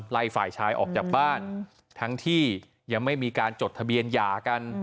ฝ่ายชายออกจากบ้านทั้งที่ยังไม่มีการจดทะเบียนหย่ากัน